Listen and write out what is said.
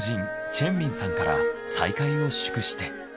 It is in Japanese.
チェンミンさんから再会を祝して。